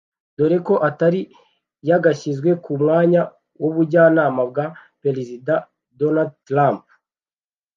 dore ko atari yagashyizwe ku mwanya w’ubujyanama bwa Perezida Donald Trump